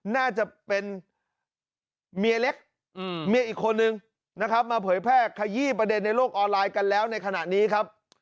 น่าจะเป็นเมียเล็กเมียอีกคนนึงนะครับมาเผยแพร่ขยี้ประเด็นในโลกออนไลน์กันแล้วในขณะนี้ครับ